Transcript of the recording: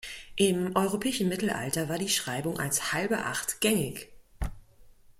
Im europäischen Mittelalter war die Schreibung als halbe Acht gängig.